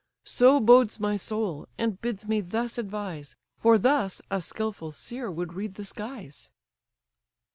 So bodes my soul, and bids me thus advise; For thus a skilful seer would read the skies."